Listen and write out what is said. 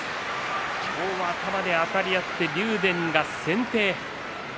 今日は頭であたり合って竜電が先手。